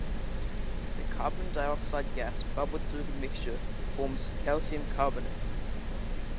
The carbon dioxide gas bubbled through the mixture forms calcium carbonate.